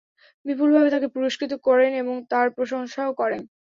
বিপুলভাবে তাকে পুরস্কৃত করেন এবং তার প্রশংসাও করেন।